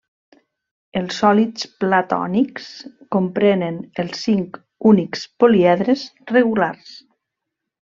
Els sòlids platònics comprenen els cinc únics poliedres regulars.